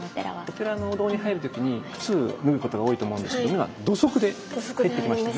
お寺のお堂に入る時にくつを脱ぐことが多いと思うんですけど土足で入りました。